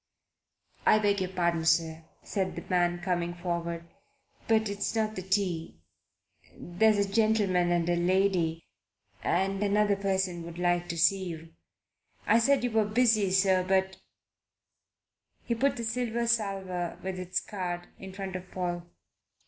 "I beg pardon, sir," said the man, coming forward, "but it's not the tea. There's a gentleman and a lady and another person would like to see you. I said that you were busy, sir, but " He put the silver salver, with its card, in front of Paul.